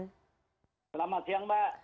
selamat siang mbak